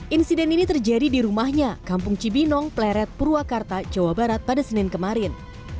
insiden ini terjadi di rumahnya kampung cibinong pleret purwakarta jawa barat pada senin kemarin